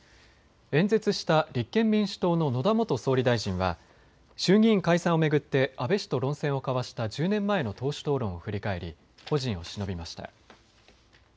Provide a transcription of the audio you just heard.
演説した立憲民主党の野田元総理大臣は衆議院解散を巡って安倍氏と論戦を交わした１０年前の党首討論振り返り故人をしのびました。